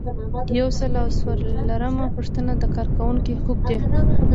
یو سل او څلورمه پوښتنه د کارکوونکي حقوق دي.